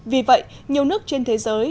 vì vậy nhiều nước trên thế giới